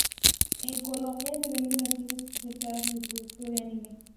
En Colombia, se vende en tiendas especializadas en productos de anime.